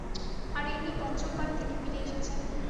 আর এই নিয়ে পঞ্চম বার তিনি ফিরে এসেছেন।